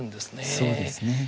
そうですね。